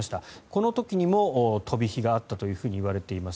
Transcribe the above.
この時にも飛び火があったといわれています。